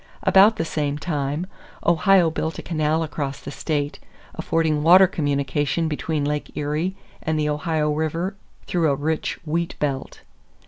About the same time, Ohio built a canal across the state, affording water communication between Lake Erie and the Ohio River through a rich wheat belt.